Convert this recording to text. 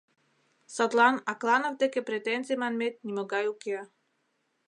Садлан Акланов деке претензий манмет нимогай уке.